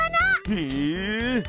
へえ。